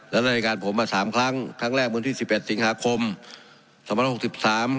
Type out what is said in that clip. และในรายการผมมา๓ครั้งครั้งแรกเมื่อวันที่๑๑สิงหาคม๑๙๖๓